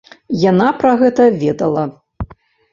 Яна пра гэта ведала.